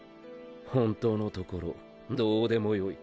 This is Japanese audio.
本当のところどうでもよい。